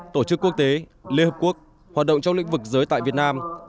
tổ chức quốc tế liên hợp quốc hoạt động trong lĩnh vực giới tại việt nam